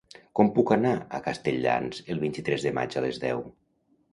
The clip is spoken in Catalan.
Com puc anar a Castelldans el vint-i-tres de maig a les deu?